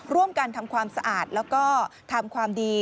ร่วมกันทำความสะอาดแล้วก็ทำความดี